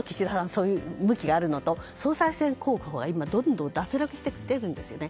そういう向きがあるのと総裁選候補が今、どんどん脱落してきているんですよね。